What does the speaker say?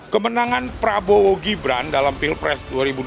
kemenangan prabowo gibran dalam pilpres dua ribu dua puluh